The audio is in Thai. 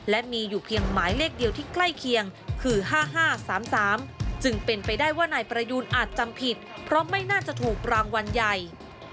และมีอยู่เพียงหมายเลขเดียวที่ใกล้เคียงคือ๕๕๓๓จึงเป็นไปได้ว่านายประยูนอาจจำผิดเพราะไม่น่าจะถูกรางวัลใหญ่